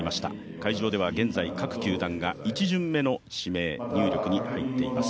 会場では現在、各球団が１巡目指名の入力に入っています。